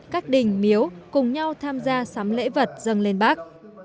các đình miếu cùng nhau tham gia sắm lễ vật dâng lên bác